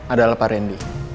adalah pak randy